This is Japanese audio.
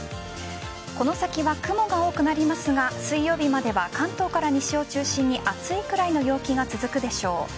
この先は雲が多くなりますが水曜日までは関東から西を中心に暑いくらいの陽気が続くでしょう。